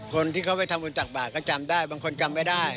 คนที่เขาไปทำบุญตักบาทก็จำได้บางคนจำไม่ได้